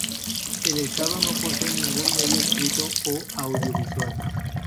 El estado no posee ningún medio escrito o audiovisual.